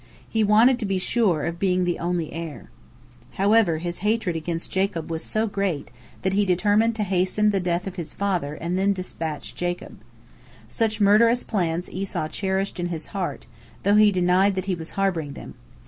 He wanted to be sure of being the only heir. However, his hatred against Jacob was so great that he determined to hasten the death of his father and then dispatch Jacob. Such murderous plans Esau cherished in his heart, though he denied that he was harboring them.